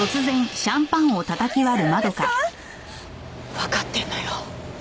わかってるのよ